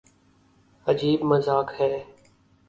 عجیب مذاق ہے۔